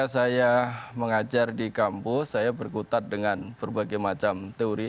saya mengajar di kampus saya berkutat dengan berbagai macam teori